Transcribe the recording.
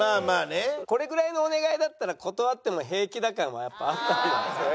これぐらいのお願いだったら断っても平気だからもやっぱあったんじゃないですか？